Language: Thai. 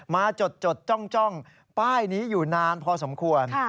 จดจ้องป้ายนี้อยู่นานพอสมควร